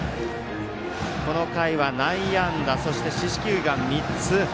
この回は内野安打そして、四死球が３つ。